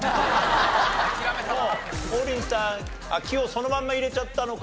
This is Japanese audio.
王林さん気をそのまんま入れちゃったのか。